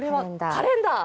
カレンダー！